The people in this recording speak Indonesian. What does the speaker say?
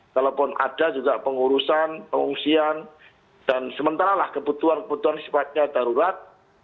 walaupun ada juga pengurusan pengungsian dan sementara lah kebutuhan kebutuhan sepatnya darurat